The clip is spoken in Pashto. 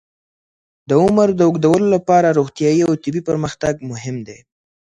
د عمر د اوږدولو لپاره روغتیايي او طبي پرمختګ مهم دی.